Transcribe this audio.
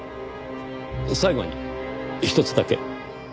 最後にひとつだけ。